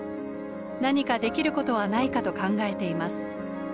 何かできることはないかと考えています。